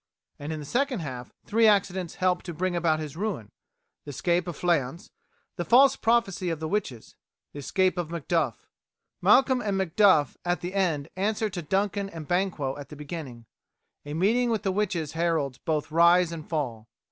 And in the second half three accidents help to bring about his ruin: the escape of Fleance, the false prophecy of the witches, the escape of Macduff. Malcolm and Macduff at the end answer to Duncan and Banquo at the beginning. A meeting with the witches heralds both rise and fall.